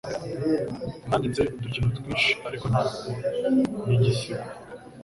Nanditse udukino twinshi, ariko ntabwo nigisigo.